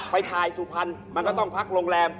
ไปถ่ายสุพรรณมันก็ต้องพักโรงแรม